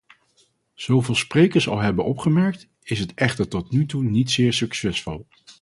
Zoals veel sprekers al hebben opgemerkt, is het echter tot nu niet zeer succesvol.